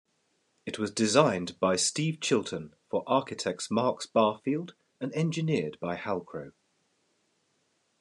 It was designed by Steve Chilton for architects Marks Barfield and engineered by Halcrow.